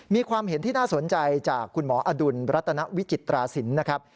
มีความเห็นที่น่าสนใจจากคุณหมออดุลรัตนวิจิตราศิลป์นะครับ